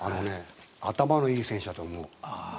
頭のいい選手だと思う。